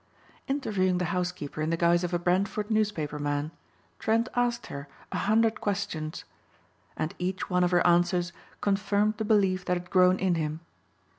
Interviewing the housekeeper in the guise of a Branford newspaper man Trent asked her a hundred questions. And each one of her answers confirmed the belief that had grown in him.